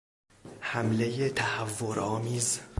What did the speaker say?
حملهی تهورآمیز